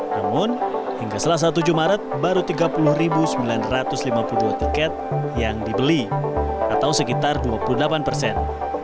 namun hingga selasa tujuh maret baru tiga puluh sembilan ratus lima puluh dua tiket yang dibeli atau sekitar dua puluh delapan persen